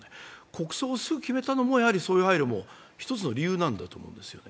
国葬をすぐ決めたのもそういう配慮も一つの理由なんだと思います。